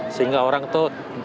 sehingga orang itu